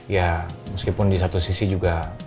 ya meskipun di satu sisi juga